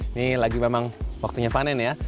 ini lagi memang waktunya panen ya